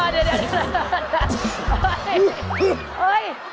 เดี๋ยว